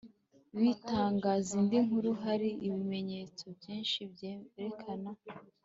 bitangaza indi nkuru, hari ibimenyetso byinshi byerekana